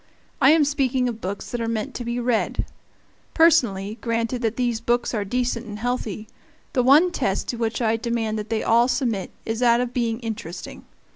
I am speaking of books that are meant to be read. Personally, granted that these books are decent and healthy, the one test to which I demand that they all submit is that of being interesting.